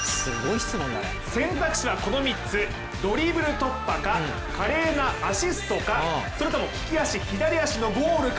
選択肢はこの３つ、ドリブル突破か華麗なアシストかそれとも利き足、左足のゴールか。